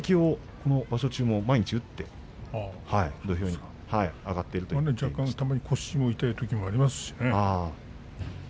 点滴治療を場所中も毎日打って土俵に前に腰が痛いときもありますしね。